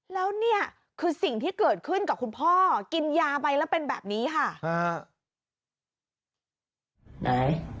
แล้วเนี่ยคือสิ่งที่เกิดขึ้นกับคุณพ่อกินยาไปแล้วเป็นแบบนี้ค่ะ